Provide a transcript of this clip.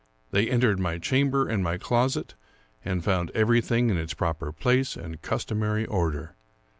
They entered my chamber and my closet, and found everything in its proper place and customary order.